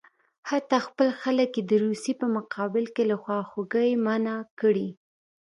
حتی خپل خلک یې د روسیې په مقابل کې له خواخوږۍ منع کړي.